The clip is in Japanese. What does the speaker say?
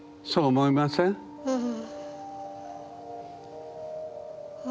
うん。